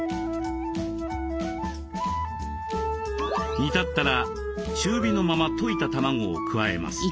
煮立ったら中火のまま溶いた卵を加えます。